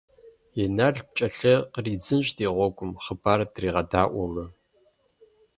Инал пкӀэлъей къридзынщ ди гъуэгум, хъыбар дригъэдаӀуэурэ.